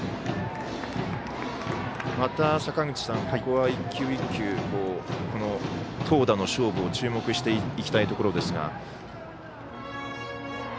ここは１球１球投打の勝負を注目していきたいところですが。